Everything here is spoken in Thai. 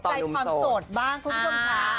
มันมีใครติดใจความโสดบ้างคุณผู้ชมค้า